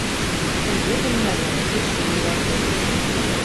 Үҙе белмәгән кеше өйрәтер.